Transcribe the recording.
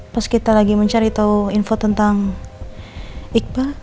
pas kita lagi mencari tahu info tentang iqbal